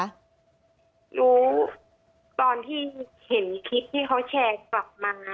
รู้ตอนที่เห็นคลิปที่เขาแชร์กลับมา